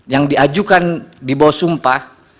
yang diajukan di bawah sumpah